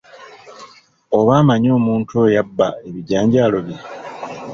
Oba amanyi omuntu oyo abba ebijanjaalo bye.